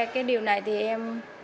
cái điều này thì em